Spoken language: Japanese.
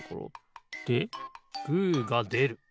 でグーがでる。